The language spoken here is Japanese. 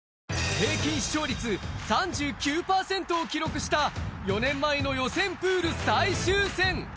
平均視聴率３９％を記録した４年前の予選プール最終戦。